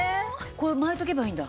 これ巻いとけばいいんだ。